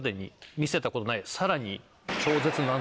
さらに。